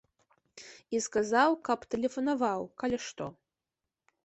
І сказаў, каб тэлефанаваў, калі што.